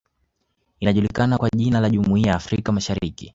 Inajulikana kwa jina la Jumuiya ya Afrika masahariki